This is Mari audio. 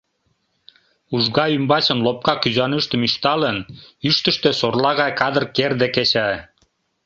Ужга ӱмбачын лопка кӱзанӱштым ӱшталын, ӱштыштӧ сорла гай кадыр керде кеча.